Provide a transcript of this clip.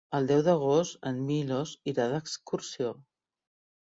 El deu d'agost en Milos irà d'excursió.